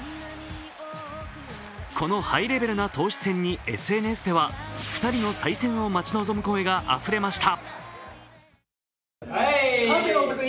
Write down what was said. このハイレベルな投手戦にＳＮＳでは２人の再戦を待ち望む声であふれました。